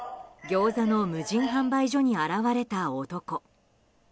ギョーザの無人販売所に現れた男。